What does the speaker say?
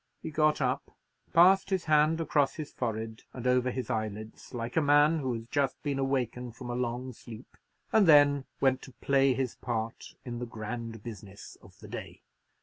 He got up, passed his hand across his forehead and over his eyelids, like a man who had just been awakened from a long sleep; and then went to play his part in the grand business of the day.